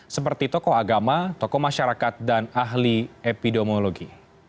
seperti tokoh agama tokoh masyarakat dan ahli epidemiologi